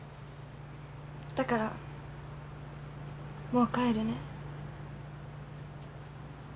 だからもう帰るね。